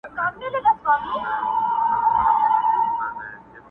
ستا دپاره چی می ځای نه وي په زړه کي -